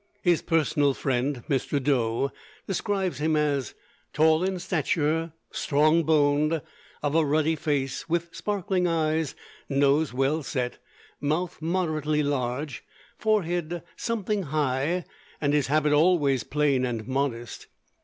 His personal friend, Mr. Doe, describes him as "tall in stature, strong boned, of a ruddy face, with sparkling eyes, nose well set, mouth moderately large, forehead something high, and his habit always plain and modest."